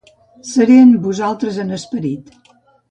Seré amb vosaltres en esperit.